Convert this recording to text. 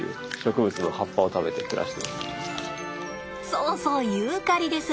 そうそうユーカリです。